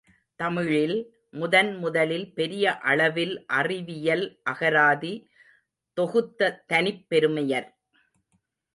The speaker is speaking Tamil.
தமிழில் முதன்முதலில் பெரிய அளவில் அறிவியல் அகராதி தொகுத்த தனிப் பெருமையர்.